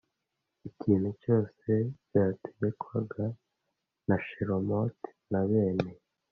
ikintu cyose byategekwaga na shelomoti na bene